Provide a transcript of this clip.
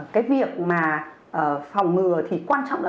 cái việc mà phòng ngừa thì quan trọng là